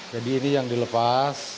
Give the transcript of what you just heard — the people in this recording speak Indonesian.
jadi ini yang dilepas